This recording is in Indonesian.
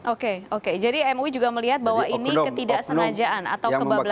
oke oke jadi mui juga melihat bahwa ini ketidaksengajaan atau kebablasan